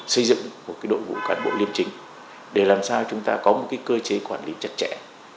xây dựng một đội ngũ cán bộ liêm chính để làm sao chúng ta có một cơ chế quản lý chặt chẽ